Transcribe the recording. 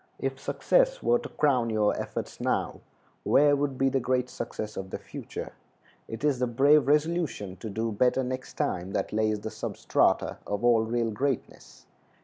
If success were to crown your efforts now, where would be the great success of the future? It is the brave resolution to do better next time that lays the substrata of all real greatness.